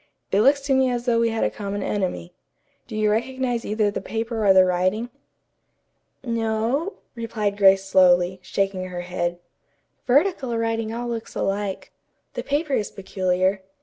It looks to me as though we had a common enemy. Do you recognize either the paper or the writing?" "No," replied Grace slowly, shaking her head. "Vertical writing all looks alike. The paper is peculiar.